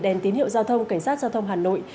đèn tín hiệu giao thông cảnh sát giao thông hà nội